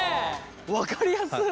分かりやすっ。